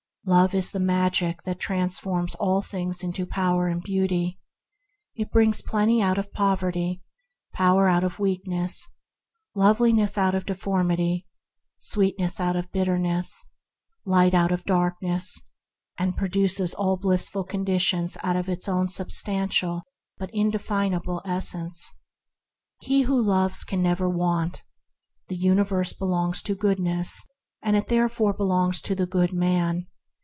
Love is the magic that transforms all things into power and beauty. It brings plenty out of poverty, power out of weakness, loveliness out of deformity, sweetness out of bitterness, light out of darkness, and produces all blissful conditions out of its own substantial but indefinable essence. 158 THE HEAVENLY LIFE He who loves can never want. The universe belongs to Goodness, and it there fore belongs to the good man.